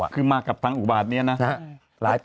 คือมากกว่าทางอุกบาดเนี่ยนะฮะ